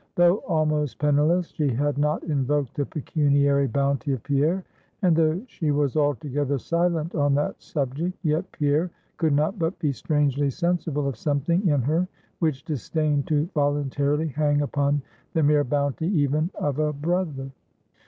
Though almost penniless, she had not invoked the pecuniary bounty of Pierre; and though she was altogether silent on that subject, yet Pierre could not but be strangely sensible of something in her which disdained to voluntarily hang upon the mere bounty even of a brother.